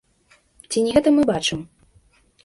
Ці не гэта мы бачым?